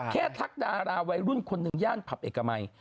ทักดาราวัยรุ่นคนหนึ่งย่านผับเอกมัย